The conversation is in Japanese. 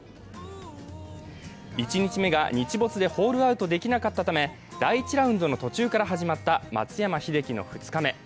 １日目が日没でホールアウトできなかったため第１ラウンドの途中から始まった松山英樹の２日目。